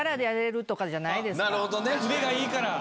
腕がいいから。